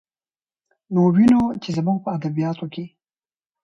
نو وينو، چې زموږ په ادبياتو کې